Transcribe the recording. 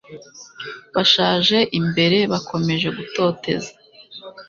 bashaje imbere. bakomeje gutoteza